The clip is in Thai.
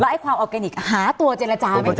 แล้วไอ้ความออร์เกนิคหาตัวเจนละจานไม่เจอ